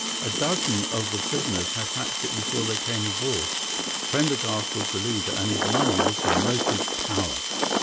A dozen of the prisoners had hatched it before they came aboard, Prendergast was the leader, and his money was the motive power.